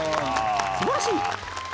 すばらしい！